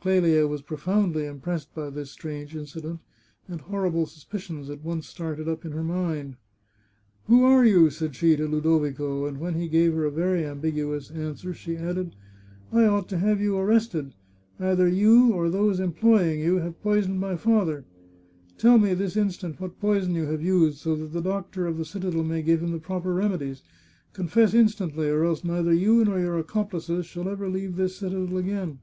Clelia was profoundly impressed by this strange incident, and hor rible suspicions at once started up in her mind. " Who are you ?" said she to Ludovico, and when he gave her a very ambiguous answer she added :" I ought to have you arrested. Either you or those em ploying you have poisoned my father. ... Tell me, this in stant, what poison you have used, so that the doctor of the citadel may give him the proper remedies! Confess in stantly, or else neither you nor your accomplices shall ever leave this citadel again."